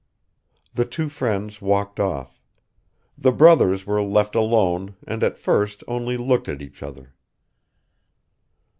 The two friends walked off. The brothers were left alone and at first only looked at each other.